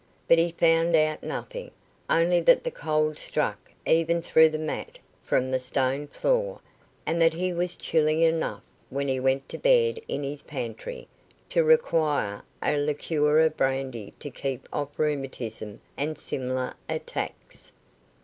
But he found out nothing, only that the cold struck, even through the mat, from the stone floor, and that he was chilly enough, when he went to bed in his pantry, to require a liqueur of brandy to keep off rheumatism and similar attacks.